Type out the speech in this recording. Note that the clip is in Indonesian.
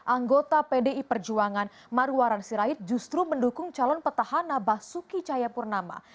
anggota pdi perjuangan marwaran sirait justru mendukung calon petahan nabah suki cayapurnama